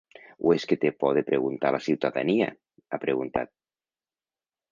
O és que té por de preguntar a la ciutadania?, ha preguntat.